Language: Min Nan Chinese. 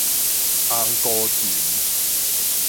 紅菇蟳